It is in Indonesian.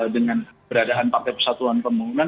dengan beradaan partai persatuan pembangunan